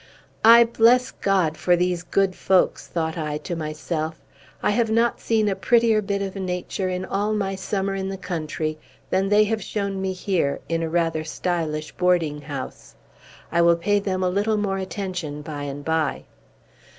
"I bless God for these good folks!" thought I to myself. "I have not seen a prettier bit of nature, in all my summer in the country, than they have shown me here, in a rather stylish boarding house. I will pay them a little more attention by and by."